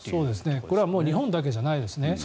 これはもう日本だけじゃないですね。